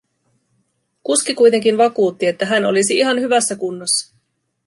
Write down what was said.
Kuski kuitenkin vakuutti, että hän olisi ihan hyvässä kunnossa.